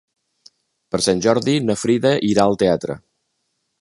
Per Sant Jordi na Frida irà al teatre.